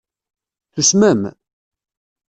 Tusmem?